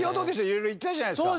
色々行ってたじゃないですか。